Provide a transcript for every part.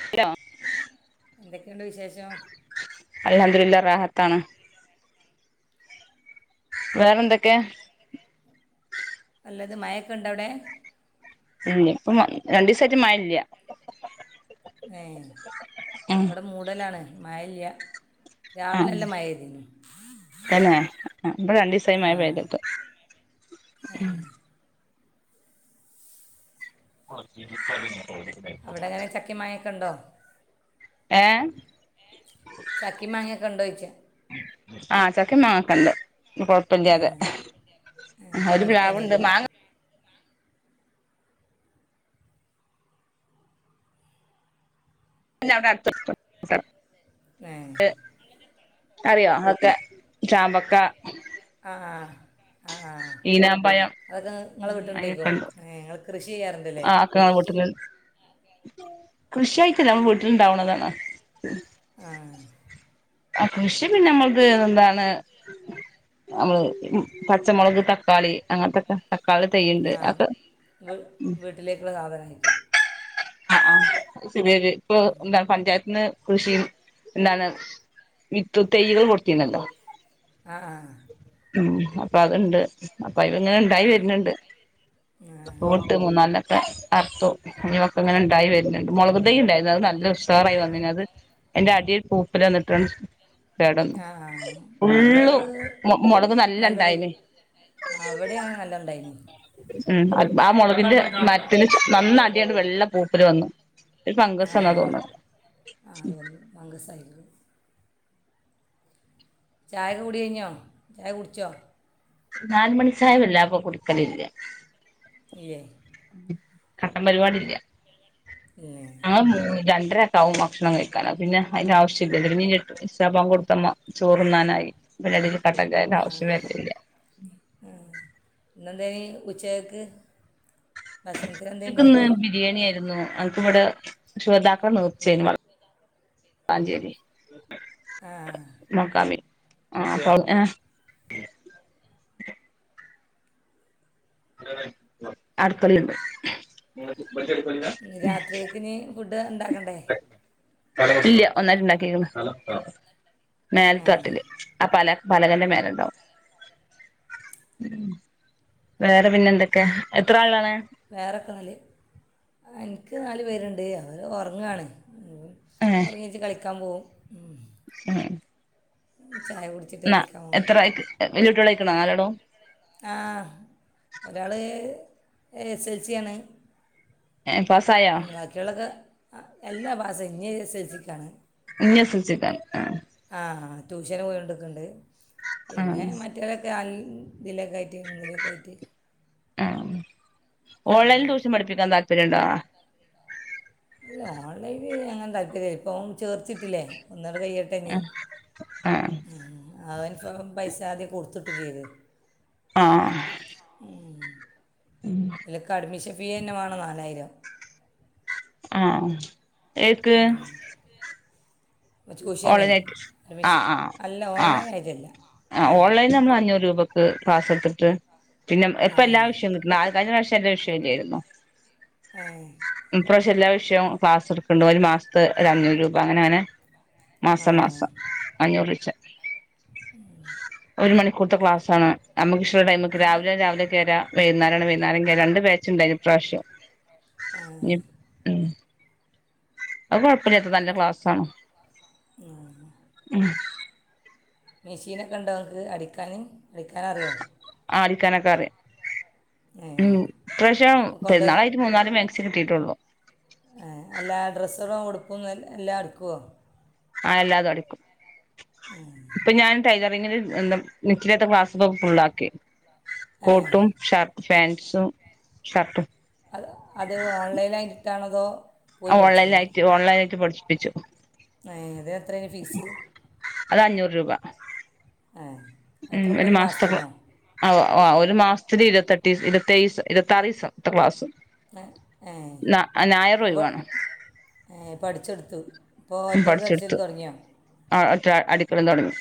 ഹ് ലോ എന്തൊക്കെയുണ്ട് വിശേഷം? അൽഹംദുലില്ലാ റാഹത്ത് ആണ്. വേറെന്തോക്കെ? നല്ലത് മയയൊക്കെണ്ടോ അവ്ടെ? ഇല്ല ഇപ്പം രണ്ടീസായിട്ട് മഴയില്ല. ഏഹ് ഇവിടെ മൂടലാണ് മഴയില്ല്യ ആ തെന്നെ ഇവിടെ രണ്ടീസായി ആ മഴ പെയ്തിട്ട് ഉം അവിടെ എങ്ങനെ ചക്കേം മാങ്ങേ ഒക്കെ ഇണ്ടോ ഏഹ് ചക്കേം മാങ്ങയൊക്കെ ഇണ്ടോ ചോദിക്കാ ആ ചക്കയും മാങ്ങയൊക്കെ ഇണ്ട്. കൊഴപ്പല്ല്യാതേ അവിടെ ഒരു അടുത്ത് പ്ലാവുണ്ട് തന്നെയായിരിക്കും മാങ്ങ [unintelligible] ഏഹ് അറിയോ അതൊക്കെ ചാമ്പക്ക ആഹ് ആഹ് ഈനമ്പഴം നിങ്ങളെ വീട്ടിലുണ്ടായിരിക്കും അയ്യൊക്കെണ്ട് ഏ നിങ്ങൾ കൃഷി ചെയ്യാറുണ്ടല്ലേ ആ ആക്കെ ഞങ്ങളെ വീട്ടില് കൃഷിയായിട്ടല്ല നമ്മളെ വീട്ടിലിണ്ടാവുന്നതാണ്. ആഹ് ആ കൃഷി പിന്നെ നമ്മൾത് എന്താണ് നമ്മള് പച്ചമുളക് തക്കാളി അങ്ങനത്തെക്കെ ആഹ് വ് വീട്ടിലേക്കുള്ള സാധനായി ആഹ് ആഹ് [unintelligible] [unintelligible] ഇപ്പൊ എന്താ പഞ്ചായത്ത്ന്ന് കൃഷിയും എന്താണ് വിത്ത് തെയ്യകൾ കൊടുത്തിരു ന്നല്ലോ ആ ആ ഉ അപ്പൊ അതുണ്ട് അപ്പ ഇവങ്ങ ഉണ്ടായി വരുന്നുണ്ട് ആ കൂട്ട് മൂന്നല്ല അർത്തു നിവക്ക [unintelligible] അങ്ങന ഉണ്ടായി വരുന്നുണ്ട് മുളക് മുളകും തൈ ഇണ്ടായിരുന്നു അത് നല്ല ഉഷാറായി വന്നി അത് എന്റെ അടിയിൽ പൂപ്പിലന്നിട്ടണ് ആ മുളക് മൊ മൊളക് നല്ല നല്ലത് ഇണ്ടായിന് അവിടെങ്ങനെ നല്ലതുണ്ടായിന് ഉ ആ മുളകിന്റെ മറ്റേ - ആദിയമാണ് വെള്ള പൂപ്പില് വന്നു ഒരു ആ ഫംഗസ് വന്നാ തോന്നുണു ആ അത് ഫംഗസ് ആയിരുന്നു ചായ കുടി കഴിഞ്ഞോ? ചായ കുടിച്ചോ നാലുമണി ചായ വല്ലാതെ കുടിക്കൽ ഇല്ല ഇല്ലേ കട്ടൻ പരിപാടി ഇല്ല ഇല്ലേ [unintelligible] എട്ടരയ്ക്ക് ആവും ഭക്ഷണം കഴിക്കാൻ പിന്നെ അതിന്റെ ആവശ്യമില്ല പിന്നെ ഇഷാ ബാങ്ക് മ്മ കൊടുത്താൽ ചോറ് തിന്നാനായി കട്ടൻചായ ആ ആവശ്യം വരലില്ല ഇന്നെന്തേ നീ ഉച്ചക്കക്ക് ഉച്ചക്ക് ഇന്ന് ബിരിയാണിയായിരുന്നു ഞങ്ങൾക്ക് ഇവിടെ ശുഹദാക്കളെ നേർച്ചയായിരുന്നു വളാഞ്ചേരി ആ മഖാമിൽ ആ ആ അവിടുന്ന് [unintelligible] ബജറ്റ് കൊല്ലാ ഇത് ഉണ്ടാക്കണ്ടേ ഇല്ല ഒന്നായിട്ട് ഇണ്ടാക്കി ആ മേൽത്താട്ടില് ആ പല പലകന്റെ മേല ഉണ്ടാവും വേറെ പിന്നെ എന്തൊക്കെയ എത്ര ആളാണ് വേറെയൊക്കെ നാല് എനിക്ക് നാല് പേരുണ്ട് അവര് ഉറങ്ങാണ് ഉറങ്ങിച്ച് കളിക്കാൻ പോകവും ആഹ ചായ കുടിച്ചിട്ട് കളിക്കാമോ വല്ലുീട്ട വിളിക്കണ നാലോണോ ആ ഒരാള് എസ് എൽ സി ആണ് ഏഹ് പാസ്സായോ ഉം ബാക്കിയുള്ളത്, എല്ലാ പാസ്സായി. ഇനി എസ് എൽ സി ക്കാണ് ഇനി എസ് എൽ സി എഴ്താൻ? ആ ആഹ്. ട്യൂഷന് പോയോണ്ട്ക്കണ്ട് ആ പിന്നെ മറ്റോരൊക്കെ അങ് ഇതിലൊക്കെ ആയിട്ട് ഇങ്ങനെയൊക്കെ ആയിട്ട് ആഹ് ഓൺലൈൻല് ട്യൂഷൻ പഠിപ്പിക്കാൻ താൽ പര്യണ്ടാ? ഇല്ല ഓൺലൈന് അങ്ങനെ താല്പര്യ. ഇപ്പൊ ചേർത്തീട്ടില്ലേ ഒന്നത് കയ്യട്ടെ ഇനി. ആ ഉം അതന്സ ഇപ്പം പൈസ ആദ്യം കൊടുത്തിട്ട് ചെയ്ത് ആഹ് ഇതിലൊക്കെ അഡ്മിഷൻ ഫീയന്നെ വേണം നാലായിരം. ആ ഏക്ക് ട്യൂഷനേ. ഓൺലൈനായിട്ട് ആ അഡ്മിഷൻ, ആ അല്ല ആ ഓൺലൈൻ ആയിട്ടല്ല ആ ഓൺലൈൻ നമ്മൾ അഞ്ഞൂറ് രൂപക് ക്ക് ക്ലാസ്സെട്ത്തിട്ട് പിന്നെ എപ്പ ആ എല്ലാ ആ. വിഷയും നിക്ക്ന്ന്. ആ കഴിഞ്ഞ പ്രാശ്യം എല്ലാ വിഷയം തര്വെരുന്നു ഏഹ് എല്ലാ വിഷയവും ക്ലാസ് എടുക്കുന്നുണ്ട് ഒരു മാസത്ത് ഒരു അഞ്ഞൂറ് രൂപ അങ്ങനെ അങ്ങനെ മാസം മാസം. അഞ്ഞൂറ് വെച്ചാ ഒരു മണിക്കൂർത്തെ ക്ലാസ്സാണ്. നമ്മക്കിഷ്ട്ടൊള്ള ടൈമ്ക്ക് രാവിലെയാണെ രാവിലെ കേറാ, വൈക്ന്നേരാണ് വൈന്നേരം കേറാ. രണ്ട് ബാ ച്ച്ണ്ടേന് ഇപ്രാശ്യം ഉം അത് കൊഴപ്പില്ലാത്ത നല്ല ക്ലാസ്സാണ് ആ ഉം മെഷീനൊക്കെ ഇണ്ടോ ഇങ്ങക്ക് അടിക്കാന്? അടിക്കാനറിയോ? ആ അടിക്കാനൊക്കറിയാ ഉം ഇപ്രാശ്യം അപ്പോൾ പെര്ന്നാളായിട്ട് മൂന്നാല് മാക്സി ച്ച് കിട്ടീട്ടുള്ളു. ഏഹ് എല്ലാ ഡ്രസ്സ്കളും ഉടുപ്പ് എല്ലാം എടുക്കുവോ? ആഹ് എല്ലാതും എടുക്കും ഇപ്പൊ ഞാൻ ടൈറിങ്ങില് എഹ് [unintelligible] ക്ലാസ് ഫുൾള്ളാക്കി ഏ കോട്ടും ഷർട്ടും പാൻറ്സും ഷർട്ടും ഓഹ് ഓൺലൈൻ ആയിട്ട് ഓൺലൈൻ ആയിട്ട് പഠിച്ചു പഠിപ്പിച്ചു എത്രയായിന് ഫീസ് അത് അഞ്ഞൂറ് രൂപ ഏ മ് എത്ര ഒരു മാസത്തേക്ക് മാസത്തിനോ ആഹ് ഒരു മാസത്തിൽ ഇരുപത്തെട്ട് ഇരുപത്തേഴ്‌ ദിവസം ഇരുപത്താറ് ദിവസത്തെ ക്ലാസ് ഏഹ് എഹ് ഞായർ അപ്പൾ ഒഴിവാണ് ഏഹ് പഠിച്ചെടുത്തു ഇപ്പോൾ ഒറ്റയ്ക്ക് അടിച്ചൽ പഠിച്ചെടുത്തു തുടങ്ങിയോ ആ അത്ര അടി ഇപ്പോഴും തുടങ്ങി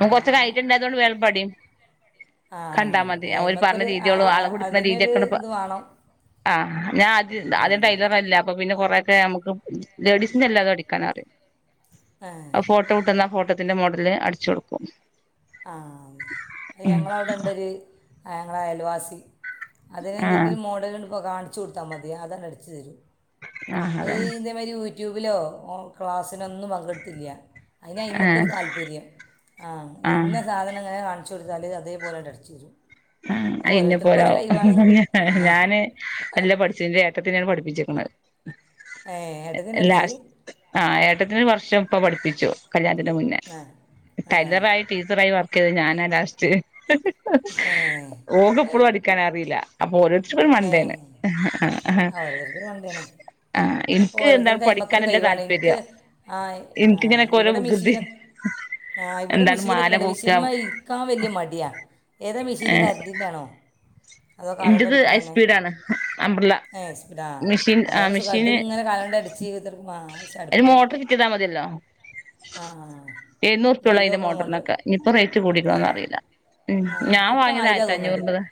മ് അപ്പോൾ കൊറച്ച് ഐഡിയ ആ ഉണ്ടായതുകൊണ്ട് ചെലപ്പടിയും ആ കണ്ടാ മതി ഓര് പറഞ്ഞ അതിന്മേൽക്കൊരു ആ രീതിയോളു അളവ് എടുക്കന്ന അതിനൊരു രീതിയൊക്കെണ്ട് ഇത് വേണം ആഹ് ഞാൻ [unintelligible] ഇപ്പൊ പിന്നെ കുറേ നമുക്ക് ലേഡീസിന്റെല്ലാതെ എടുക്കാൻ അറിയാം. ഏ ഫോട്ടോ കിട്ടുന്ന ഫോ ട്ടത്തിന്റെ മോഡല് അടിച്ച് കൊടുക്കും. ആ അത് ഉം ഞങ്ങളവിടെ ഇണ്ടൊരു ആ ഞങ്ങളെ അയൽവാസി ആ അതിനെന്തെങ്കിലും മോഡലും [unintelligible] കാണിച്ചു കൊടുത്താ മതി അതങ്ങടിച്ചു തരും. ആ അതന്നെ അതീന്റ മാരി ഉ ട്യൂബിലോ ഓൻ ക്ലാസ്സിനൊന്നും പങ്കെടുത്തില്ല്യ. അയിനയിമ്മക്കൊരു താല്പര്യം ആ. ഇന്ന സാധനങ്ങിനെ കാണു. ചുരിദാല് അതേപോലെ അങ്ങട്ടടിച്ചെരും. ആ അയിന്നെ പോലാവും ആ ഞാന് എല്ലാം പഠിച്ചതിന്റെ ഏട്ട ട്ടിനെണ് പഠിപ്പിച്ചെക്ക്ണേ. ഏ ഏട്ടത്തിനടിച്ച് ലാസ്റ്റ് ആഹ് ഏട്ടത്തിന് വർഷം. പ്പ പഠിപ്പിച്ചു. കല്യാണത്തിന്റെ മുന്നേ ആ ആ ടൈലറായി ടീച്ചറായി വർ ക്കിത് ഞാനാ ലാസ്റ്റ്. ഏ ഓക്കിപ്പളും അടിക്കാൻ അറില്ല അപ്പൊ ഓരോരുത്തർരക്കൊരോ മണ്ടേന് ഏ ആ ഓരോരുത്തർക്ക് കൊണ്ടാണ് ആഹ് ഇൻക്ക് ഓരോരുത്തരുടെ എന്താണ് കൈമക്കെ ഒരു പഠിക്കാനല്ല കൈവാണ് ഇൻക്ക് താല്പര്യം ആഹ് ആഹ് ഇൻക്കിങ്ങനൊക്കെ ഓരോ ഇവിടെ വികൃതി മെഷീൻ ആ ഇവിടെ എന്താണ് മാല മെഷീനൊക്കെണ്ട് കോക്ക മെഷീൻമാ ഇരിക്കാ വല്ല്യ മടിയാ. ഏതാ മെഷീൻ ഏഹ് കറണ്ടിന്റാണോ? ഇന്റത് ഹൈസ്പീഡാണ് അമ്പ്രല ഏ സ്പീഡാ മെഷീൻ ആഹ് അതാണ് സുഖം മെഷീൻ. ഇതിങ്ങനെ കാലുകൊണ്ട് അടിച്ച് ഇത്രക്കും ആ അന് ചടുപ്പ് മോട്ടർ ഫിറ്റെയ്താ മതിയല്ലോ ആ ആ. ചെയ്ത് എഴുന്നൂറുപ്പ്യള്ളതിന്റെ നോക്കണം മോട്ടർ മോട്ടറിനൊക്കെ ഇനിയിപ്പോ റേറ്റ് ആ കൂടിക്കണന്നറിയില്ല ഉം ആ ഞാൻ വാങ്ങിയത് ആയിരത്തഞ്ഞൂറിന്റതാ.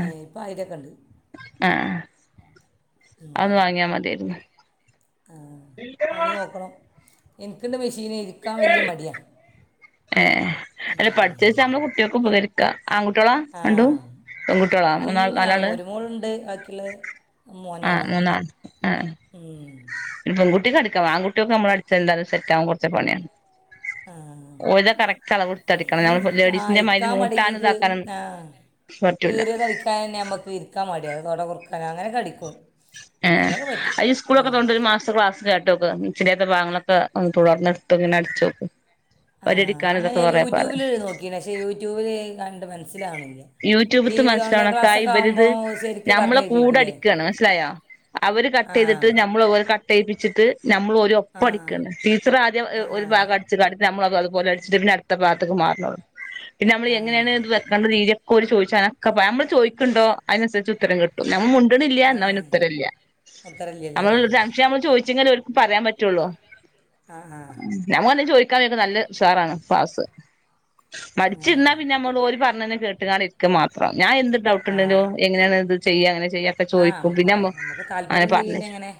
എ ഇപ്പ ആയിരൊക്കെണ്ട്. അത് വാങ്ങിയാ മത്യാര്ന്നു. ആഹ് വാങ്ങി നോക്കണം. ഇൻകിന്ന് മിഷ് ഏ അല്ല പഠിച്ചു വെച്ചാ നമ്മളെ കുട്ടികൾക്ക് ഉപകരിക്കും ക ആൺകുട്ടികളാ രണ്ടും ആഹ് പെൺകുട്ടികള മൂന്നാൾ നാലാള് ഇല് ആഹ് മോനാണ്. മൂന്നാള് ഉം പെൺകുട്ടിക്കടിക്കാം ആൺകുട്ടികൾക്ക് നമ്മളടിച്ച എന്താലും സെറ്റാവാൻ കുറച്ച് പണിയാ ആ അടിക്കണം നമ്മൾ ഇരിക്കാ ആ ലേഡീസിന്റെ മാതിരി ഇരിക്കാൻ മടി ഈ മൂട്ടാനും കീറി ഇതാക്കാനും ആ പറ്റൂല കീറിയ തയ്ക്കാൻന്നെ നമ്മക്ക് ഇരിക്കാൻ മടിയാ. [unintelligible] അങ്ങനൊക്കെ അടിക്കും അതിനൊക്കെ പറ്റും ആയിസ് കൂളൊക്കെ ഉം ഇല്ലോണ്ട് ഒര് മാസം ക്ലാസ്സ്‌ കേട്ടോക്ക് [unintelligible] ആ ഒരടിക്കാനും അങ്ങനെ ഇതൊക്കെ കൊറേ പറയും യൂട്യൂബില് രെ നോക്കിന് ശേ യൂട്യൂബില് ആയു വാൻസ് യൂട്യൂബ്ത്തെ മനസ്ലാകണേൽ ഇബൽ ആകുമ്പോൾ ശരിക്ക് ഞമ്മളെ പറഞ്ഞു കൂടിർന്ന് തരിക്കൂലേ അടിക്കാണ് മനസിലായോ അവർ ആ കട്ടെയ്തിട്ട് ഞസമ്മളത്തിൽ ചിട്ട് ഞമ്മള് ആ ഓലെപ്പ ടിക്ക ടീച്ചറദിയം ആ ആ ഒരുഭാഗം അടിച്ച് കാണിച്ചേരും [unintelligible] ഇനി ആ ഞമ്മളിതെങ്ങനാണ് ത് ആ. വെക്കേണ്ട രീതി കോല്ചോയിച്ച അക്കെ അയിനാൻസർച് ഉത്തരം കിട്ടും തിലില്ല ന്ന അയിന് ഏ ഉത്തരോല്ല [unintelligible] മുത്തറല്ലിയല്ലേ [unintelligible] ഓല്ക്ക് പരാൻ പാട്ടൊള്ളു ആ ആ ഞാൻ വെന്ന് ചോയ് കായിനൊക്കെ നല്ല ഉസാറാൻ ക്ലാസ്സ്‌ ഏ പഠിച്ചിരുന്ന പിന്നമ്മൾ ഓല് പറനെക്കൊള് ഞാനിർക്ക് മാത്ര ഞാനെ ന്ത് ഡൗഗട് ആ എന്ടെങ്കിലും എങ്ങനാണത് ചെയ്യങ്ങനെ ചെയ്യാതെ ആ ചോയിക്കും ആ, നമുക്ക് അങ്ങനെ താല്പര്യം ഉണ്ടെങ്കിൽ പറഞ് പിന്നെ എങ്ങനെ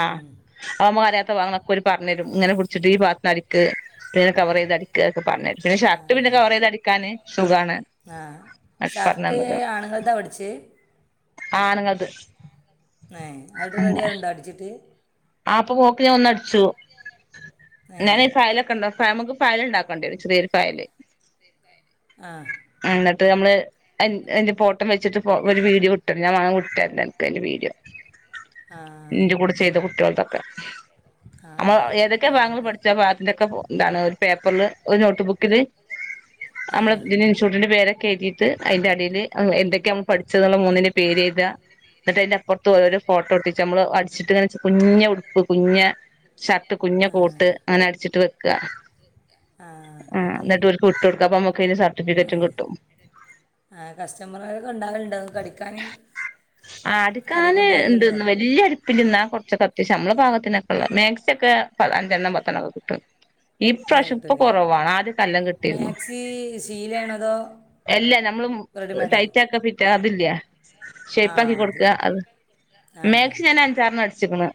ആ ഉം. [unintelligible] ഓല് പറഞ്ഞേറും [unintelligible] ആ ഷർട്ട് [unintelligible] ആ അതൊക്കെ ഷർട്ട് പറഞ്ഞന്നത് ആണിങ്ങൾത പഠിച്ചേ ആണ് ങ്ങത് മെ അത് റെഡിയാവിണ്ടോ അടിച്ചിട്ട് അ പ്പോ മോക്ക് ഞാനൊന്നടിച്ചി ഏ ന്ന നി ഫീൽ ഒക്കെണ്ടോ മ്മക്ക് ഫയൽ നടക്കേണ്ടിയിറും ചെറിയൊരു ഫയൽ ആ ത് അന്ന് അയിന്റെ ഫോട്ടം വെച്ചിട്ട് ഫോ ഒര് വീഡീയോ വിട്ടേ ഞാൻ ഒരു വീഡിയോ വിട്ടേരെൻഡ് അനക്ക് ആ എന്റെകൂടെ ചെയ്തോ ട്ടിയാൾതൊക്കെ ആ അമ ഏതൊക്കെ ആ ഭാഗങ്ങൾ ആയിക്കോട്ടെ പഠിച്ച അതിന്റക്കെ ന്താണ് ഒരു പേപ്പറിൽ ഒരു നോട്ടബുക്കിന് ആ നമ്മള് ഇതിഇൻസ്റ്റുട്ടിന്റെ പേരൊക്കെ എയ്തീട്ട് അതിന്റ അടില് എന്തൊക്കെയ നമ്മള് പഠിച്ചത് ന്നുള്ള മൂന്നിന്റെ എഴുതുക എന്നിട്ട് അയ്ന്റെ അപ്പൊർത്തോ ഓരോ ഫോട്ടോ ഒട്ടിച്ച് അടിച്ചിട്ടിങ്ങനെ- കുഞ്ഞെ ഉടുപ്പ് കുഞ്ഞെ ഷർട്ട് കുഞ്ഞ ആ കോട്ട് അങ്ങനെ അടിച്ചിട്ട് വെക്ക ആ അത് എന്നിട്ട് ഇവർക്ക് വിട്ടോട്ക്കാ അപ്പൊ നമ്മക്ക്തിന് സർട്ടിഫിക്കറ്റും കിട്ടും ആ കസ്റ്റമറുകളൊക്കെ ഉണ്ടാകലുണ്ടോ കടിക്കാൻ ആ ആരെയും അടുക്കാന് ഇണ്ട് കൊണ്ടുവരലുണ്ടോ ന്നാ വലിയ്യ അടുപ്പില്ന്നാ ഞമ്മളെപാഗത്തിനൊക്കള്ള മേക്സി ഒക്കെ അഞ്ചെണ്ണം പത്തെണ്ണം ഒക്കെ കിട്ടും ഏ ഇപ്രാശം ഇപ്പ കിട്ടുമല്ലേ കൊറവാണ് ആദ്യം നല്ലം കിട്ടിയെരുന്നു മാക്സി ശീലയാണോ അതോ എല്ലാം നമ്മളും റെഡിമെയ്ഡോ ടൈറ്റക്ക പിറ്റ അതില്ലെ ഷേപ്പാക്കി കൊട്ക്കാ അത് ആ മേക്സി ഞാൻ അഞ്ചാറെണ്ണം അടി- ച്ചിക്കണ്ണ്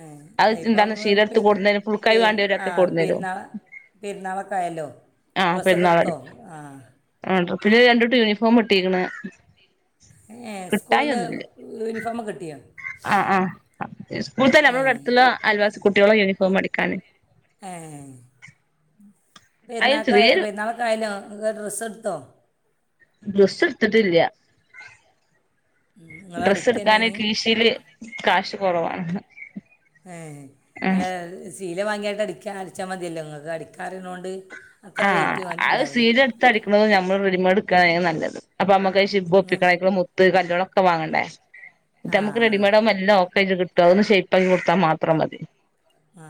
ഏഹ് അയിപ്പം കൊടുന്നരും ഫുൾക്കായി പേര് ആ വാണ്ടിയോരൊക്കെ കൊടുന്നരും പെരുന്നാൾ പെരുന്നാളൊക്കെ ആയല്ലോ ആ ഡ്രസ്സൊക്കെ എടുത്തോ ആ പിന്നേ രണ്ട്ഡ്യൂട്ട് യൂണിഫോം വെട്ടീക്ക്‌ണ് ഏ സ്കൂൾന്ന് യൂണിഫോമൊക്കെ കിട്ടിയോ ആഹ് ആഹ് ഈ സ്കൂൾ തന്നെ നമ്മുടെ ഏ ഇവിടെ അടുത്തുള്ള അയൽവാസി കുട്ടികളെ യൂണി ഫോം അടിക്കാൻ. ഏഹ് അയ്ന് പെരുന്നാളിക്കായ് ചെറിയൊരു പെരുന്നാളൊക്കെ ആയല്ലോ നിങ്ങൾക്ക് ഡ്രസ്സ്‌ എടുത്തോ. ഡ്രസ്സ്‌ എടുത്തിട്ടില്ല. നിങ്ങൾ ഡ്രസ്സ് അടിക്കന്നെ എടുക്കാന് ഇനി കീശയിലെ കാശ് കുറവാണ്. ഏഹ് ഉം അല്ല ചീലാ വാങ്ങി അങ്ങട് അടിക്കാ അടിച്ചാമതിയല്ലോ നിങ്ങക്ക് അടിക്കാൻ അറിയണോണ്ട്. അത്ര ആഹ് റേറ്റ് ആ ഉണ്ടാവില്ല സീരം എടുത്തടിക്കണതും ഞമ്മള്. നമ്മള് റെഡിമ്മടെ എടുക്കുവാനാൽ നല്ലത് അപ്പൊ നമുക്ക്. ഉം. [unintelligible] മുത്ത് കല്ല്. ഒക്കെ വാങ്ങണ്ടേ ആ നമുക്ക് റെഡിമേഡ് ആക്കുമ്പോ എല്ലാ ഒക്കായിട്ട് കി [unintelligible] ഷേപ്പാക്കി കൊടുത്താ മാത്രം മതി. ആ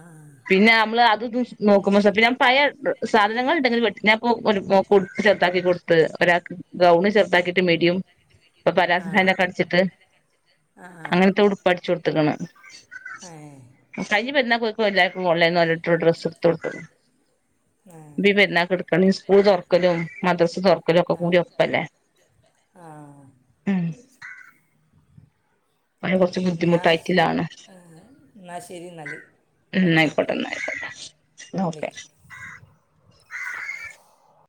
പിന്നെ നമ്മള് അത് ലൂസ് നോക്കുമ്പോ ഡ്രസ്സ്‌ ഞാൻ പഴയ. സാധനങ്ങള് ഉണ്ടെങ്കില് വെട്ടിനപ്പോ ഒരു കൊ ചെറുതാക്കി കൊടുത്ത് അപ്പൊ ഒരാൾക്ക് ഗൗണ് ചെറുതാക്കി മിഡിയും. ഇപ്പൊ പാലസ് ആ പ്ലാന്റ് ഒക്കെ ആ അടിച്ചിട്ട് ആ ആ അങ്ങനെത്തെ ഉടുപ്പ് അടിച്ചു കൊ ഇട്ടക്കുണ്. ഏ കഴിഞ്ഞ പെരുന്നാള് ഇപ്പൊ എല്ലാവർക്കും ഓൺലൈനിൽ നിന്ന് ഡ്രസ്സ്‌ എടുത്തു. ആ നീ പെരുന്നാളിക്ക് എടുക്കാൽ. ഈ തെരക്കെല്ലാം മദ്രസ്സയാണ്. ഇവരൊക്കെ കൂടി രസമല്ലേ. ആ ഒരു കുറച്ച് എന്നാൽ ശ- ബുദ്ധിമുട്ടായിട്ടില്ലാണ് ആ എന്നാൽ ശരി എന്നാൽ ഉം എന്നാ എന്നാൽ ആയിക്കോട്ടെ ഓക്കെ എന്നാ ആയിക്കോട്ടെ ഒക്കെ. വിളിക്കാം